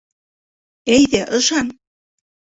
Әйҙә, ышан!